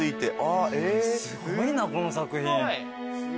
すごいなこの作品。